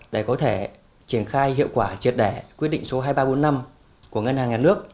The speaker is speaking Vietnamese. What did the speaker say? để có thể triển khai hiệu quả triệt đẻ quyết định số hai nghìn ba trăm bốn mươi năm của ngân hàng nhà nước